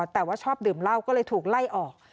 แต่ว่าชอบดื่มเหล้าก็เลยถูกไล่ออก